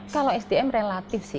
kalau sdm relatif sih